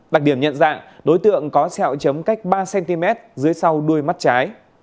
đặc điểm nhận dạng đối tượng có xẹo chấm cách ba cm dưới sau đuôi mắt trái